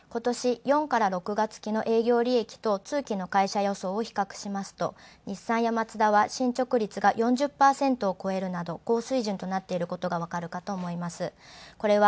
今年４から６月期の営業利益と通期の会社予想を比較すると日産やマツダや進捗率が４０％を超えるなど高水準となっていることがわかるかと思います。